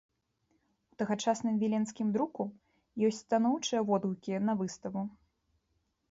У тагачасным віленскім друку ёсць станоўчыя водгукі на выставу.